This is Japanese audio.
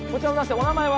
お名前は？